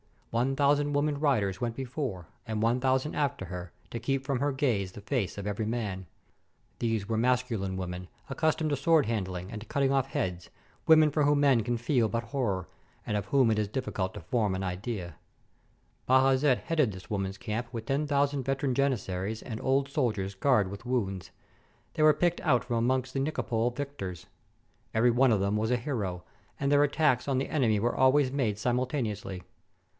One thousand women riders went be fore, and one thousand after her, to keep from her gaze the face of every man. These were masculine women, accustomed to sword handling, and to cutting off heads, women for whom men can feel but horror, and of whom it is difficult to form an idea, Bajazet headed this woman's camp with 10,000 veteran Janizaries and old sol diers scarred with wounds. They were picked out from amongst the Nicapol victors. Every one of them was a hero, and their attacks on the enemy were always made simultaneously.